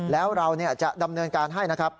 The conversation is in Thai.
แล้วเราจะดำเนินการให้นะครับ